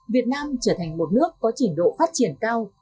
việt nam trở thành một nước có trình độ phát triển cao